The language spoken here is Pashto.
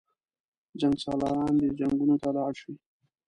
جنګسالاران دې جنګونو ته لاړ شي.